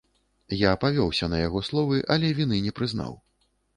Я павёўся на яго словы, але віны не прызнаў.